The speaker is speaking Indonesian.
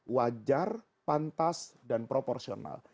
wajar pantas dan proporsional